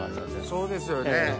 そうですよね。